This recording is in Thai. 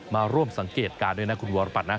มาร่วมสังเกตการณ์ด้วยนะคุณวรปัตนะ